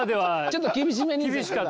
ちょっと厳しめに。